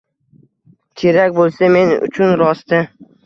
Kerak bulsa men uchun rosti